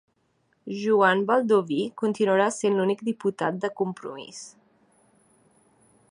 Joan Baldoví continuarà sent l'únic diputat de Compromís